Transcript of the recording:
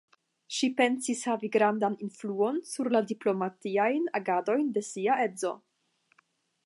Ŝi penis havi grandan influon sur la diplomatiajn agadojn de sia edzo.